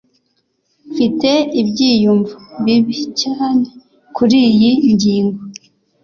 mfite ibyiyumvo bibi cyane kuriyi ngingo